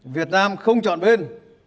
việt nam không chọn bên